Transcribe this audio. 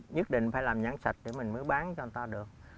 nhất định phải làm nhãn sạch để mình mới bán cho người ta được